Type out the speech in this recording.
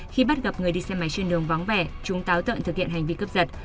khi bắt gặp người đi xe máy trên đường vóng vẻ chúng táo tợn thực hiện hành vi cấp giật